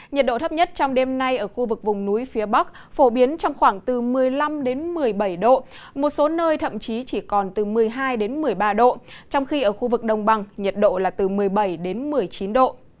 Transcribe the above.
nhiệt độ thấp nhất trong đêm nay ở khu vực vùng núi phía bắc phổ biến trong khoảng từ một mươi năm một mươi bảy độ một số nơi thậm chí chỉ còn từ một mươi hai một mươi ba độ trong khi ở khu vực đồng bằng nhiệt độ là từ một mươi bảy đến một mươi chín độ